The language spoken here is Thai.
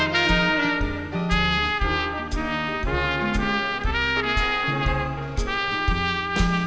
ไฮบัตนแมวมันสุกสรรบุควร